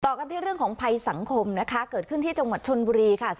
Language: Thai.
กันที่เรื่องของภัยสังคมนะคะเกิดขึ้นที่จังหวัดชนบุรีค่ะ